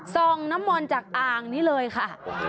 ส่งน้ำมนต์จากอ่างนี้เลยค่ะ